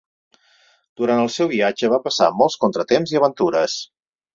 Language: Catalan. Durant el seu viatge va passar molts contratemps i aventures.